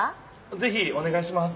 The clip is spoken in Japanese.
ぜひおねがいします。